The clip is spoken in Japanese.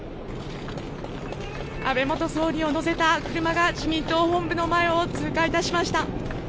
安倍元総理を乗せた車が自民党本部の前を通過致しました。